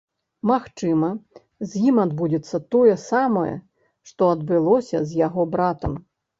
Магчыма, з ім адбудзецца тое самае, што адбылося з яго братам.